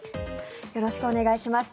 よろしくお願いします。